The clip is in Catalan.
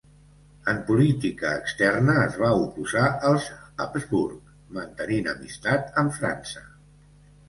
En política externa es va oposar als Habsburg, mantenint amistat amb França.